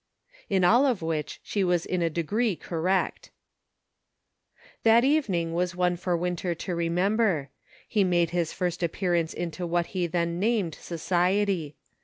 In all of which she was in a degree correct. That evening was one for Winter to remember. He made his first appearance into what he then named society.